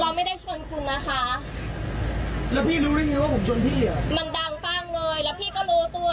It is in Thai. ก็ยังไงค่ะเราขับของเรามาปกติแล้วเราไม่ได้ขับแหลกด้วย